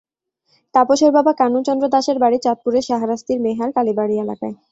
তাপসের বাবা কানু চন্দ্র দাসের বাড়ি চাঁদপুরের শাহরাস্তির মেহার কালিবাড়ী এলাকায়।